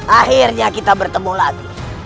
akhirnya kita bertemu lagi